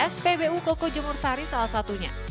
spbu koko jemur sari salah satunya